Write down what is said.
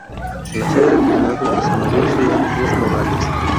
La sede del condado y su mayor ciudad es Nogales.